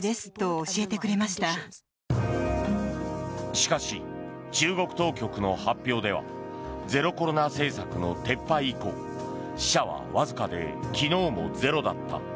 しかし、中国当局の発表ではゼロコロナ政策の撤廃以降死者はわずかで昨日もゼロだった。